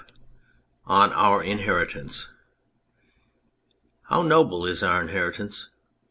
251 OUR INHERITANCE How noble is our inheritance.